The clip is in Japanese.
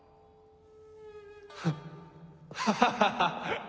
フッハハハハッ！